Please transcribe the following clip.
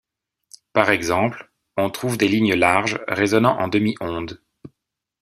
Par exemple, on trouve des lignes larges résonnant en demi-onde.